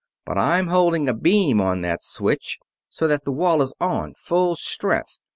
But I'm holding a beam on that switch, so that the wall is on, full strength.